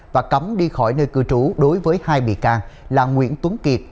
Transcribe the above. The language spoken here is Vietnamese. và cấm đi khỏi nơi cư trú đối với hai bị can là nguyễn tuấn kiệt